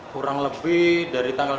kurang lebih dari tanggal